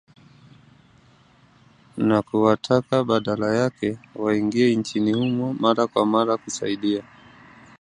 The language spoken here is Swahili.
na kuwataka badala yake waingie nchini humo mara kwa mara kusaidia